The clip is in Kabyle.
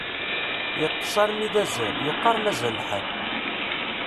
Yeṭṭes armi d azal, yeqqar mazal lḥal.